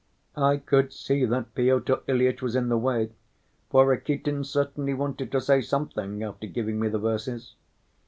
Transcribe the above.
I could see that Pyotr Ilyitch was in the way, for Rakitin certainly wanted to say something after giving me the verses.